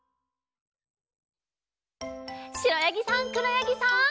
しろやぎさんくろやぎさん。